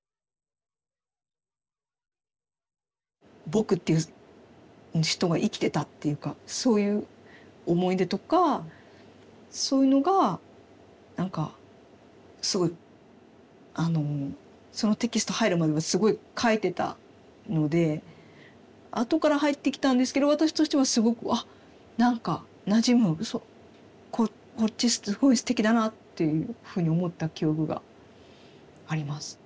「ぼく」っていう人が生きてたっていうかそういう思い出とかそういうのが何かすごいあのそのテキスト入る前すごい描いてたので後から入ってきたんですけど私としてはすごくあっ何かなじむこっちすごいすてきだなっていうふうに思った記憶があります。